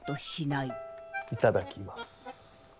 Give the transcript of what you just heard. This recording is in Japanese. いただきます。